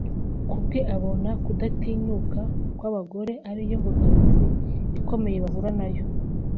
Kubwe abona kudatinyuka kw’abagore ariyo mbogamizi ikomeye bahura nayo